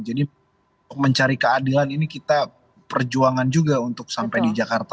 jadi mencari keadilan ini kita perjuangan juga untuk sampai di jakarta